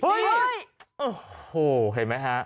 โอ้โหเห็นไหมฮะ